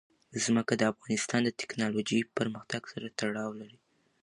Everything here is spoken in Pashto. ځمکه د افغانستان د تکنالوژۍ پرمختګ سره تړاو لري.